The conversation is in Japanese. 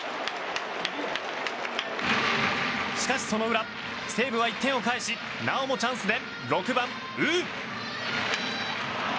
しかしその裏、西武は１点を返しなおもチャンスで６番、ウー。